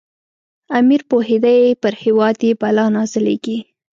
امیر پوهېدی پر هیواد یې بلا نازلیږي.